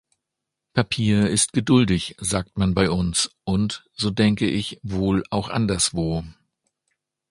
Papier ist geduldig, sagt man bei uns und, so denke ich, wohl auch anderswo.